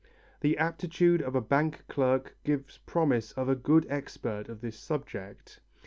The aptitude of a bank clerk gives promise of a good expert in this subject.